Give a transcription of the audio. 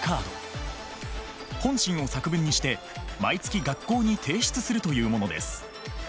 本心を作文にして毎月学校に提出するというものです。